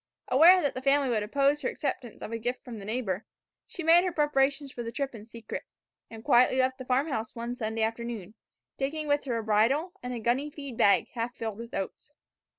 Aware that the family would oppose her acceptance of a gift from a neighbor, she made her preparations for the trip in secret, and quietly left the farm house one Sunday afternoon, taking with her a bridle and a gunny feed bag half filled with oats.